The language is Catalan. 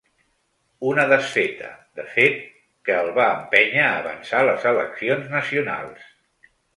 Una desfeta, de fet, que el va empènyer a avançar les eleccions nacionals.